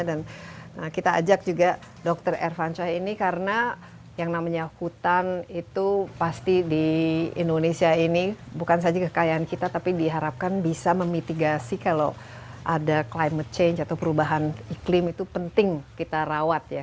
dan kita ajak juga dr evan shah ini karena yang namanya hutan itu pasti di indonesia ini bukan saja kekayaan kita tapi diharapkan bisa memitigasi kalau ada climate change atau perubahan iklim itu penting kita rawat ya